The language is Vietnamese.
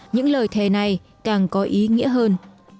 những lời thề này càng có ý nghĩa hơn